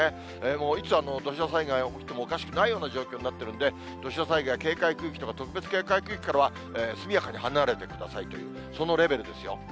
もういつ土砂災害起きてもおかしくないような状況になっているんで、土砂災害警戒区域とか特別警戒区域からは、速やかに離れてくださいという、そのレベルですよ。